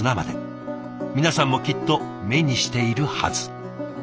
皆さんもきっと目にしているはず。